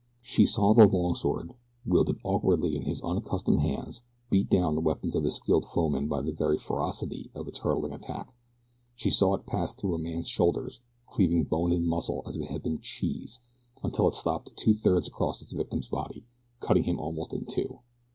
She saw the long sword, wielded awkwardly in his unaccustomed hands, beat down the weapons of his skilled foemen by the very ferocity of its hurtling attack. She saw it pass through a man's shoulder, cleaving bone and muscle as if they had been cheese, until it stopped two thirds across its victim's body, cutting him almost in two.